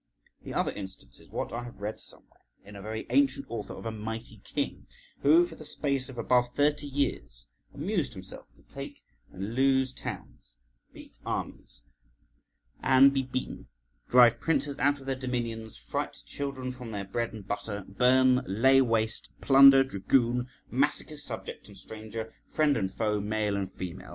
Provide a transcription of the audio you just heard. The other instance is what I have read somewhere in a very ancient author of a mighty king {127a}, who, for the space of above thirty years, amused himself to take and lose towns, beat armies and be beaten, drive princes out of their dominions, fright children from their bread and butter, burn, lay waste, plunder, dragoon, massacre subject and stranger, friend and foe, male and female.